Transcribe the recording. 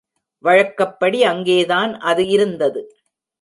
வழக்கப்படி அங்கேதான் அது இருந்தது.